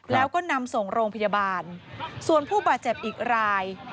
แล้วก็นำส่งโรงพยาบาลส่วนผู้บาดเจ็บอีกราย